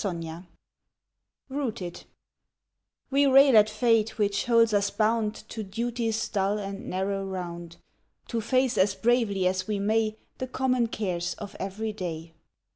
ROOTED 45 ROOTED WE rail at fate which holds us bound To duty's dull and narrow round, To face as bravely as we may The common cares of every day.